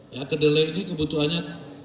ya kedele ini kebutuhannya